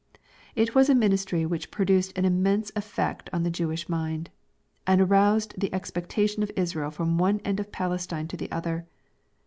It was a ministry which produced an immense effect on the Jewish mind, and aroused the expectation of Israel from one end of Palestine to the other.